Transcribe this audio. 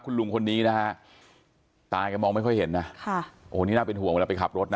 คุณลุงคนนี้นะฮะตายแกมองไม่ค่อยเห็นนะค่ะโอ้นี่น่าเป็นห่วงเวลาไปขับรถนะ